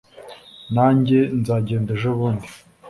Na njye nzagenda ejobundi